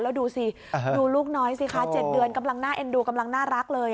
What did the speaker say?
แล้วดูสิดูลูกน้อยสิคะ๗เดือนกำลังน่าเอ็นดูกำลังน่ารักเลย